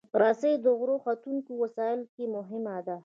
رسۍ د غر ختونکو وسایلو کې مهمه ده.